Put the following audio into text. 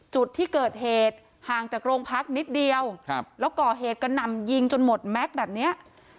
จุดที่เกิดเหตุห่างจากโรงพักนิดเดียวแล้วก่อเหตุกระหน่ำยิงจนหมดแม็กซ์แบบเนี้ย